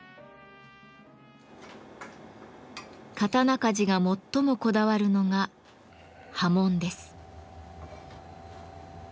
刀鍛冶が最もこだわるのが刃文です。